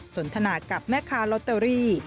สนทนากับแม่ค้าลอตเตอรี่